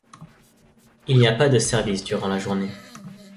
Il n'y a pas de service durant la journée.